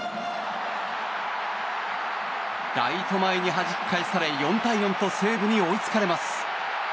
ライト前にはじき返され４対４と西武に追いつかれます。